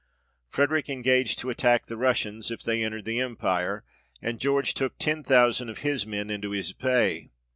Frederick engaged to attack the Russians, if they entered the Empire, and George took ten thousand of his men into his pay.